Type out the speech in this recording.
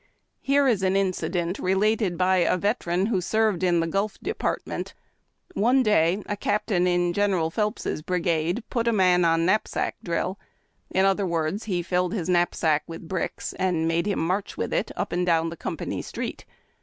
Here is an incident related by a veteran who served in the Gulf Department: One day a captain in General Phelps' Brigade put a man on knapsack drill ; in other words, he filled his knapsack with bricks, and made him march with it up and down the company street.